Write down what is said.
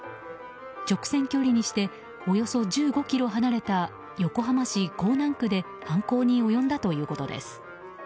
直線距離にしておよそ１５ｋｍ離れた横浜市港南区で犯行に及んだということです。